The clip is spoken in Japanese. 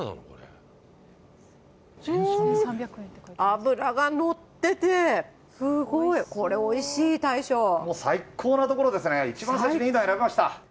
脂が乗ってて、すごい、これ、おいしい、もう最高なところですね、一番最初にいいの選びました。